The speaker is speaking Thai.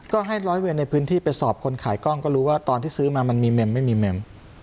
ก็ให้ร้อยเวรในพื้นที่ไปสอบคนขายกล้องก็รู้ว่าตอนที่ซื้อมามันมีเมมไม่มีเมม